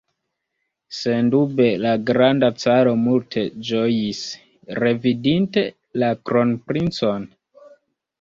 Sendube la granda caro multe ĝojis, revidinte la kronprincon?